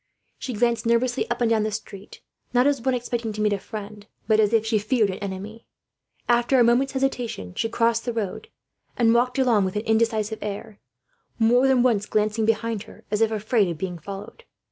She glanced nervously up and down the street, not as one expecting to meet a friend, but as if she feared an enemy. After a moment's hesitation, she crossed the road and walked along with an indecisive air; more than once glancing behind her, as if afraid of being followed.